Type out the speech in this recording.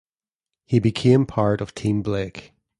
He became part of Team Blake.